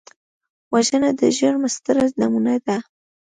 وژنه د جرم ستره نمونه ده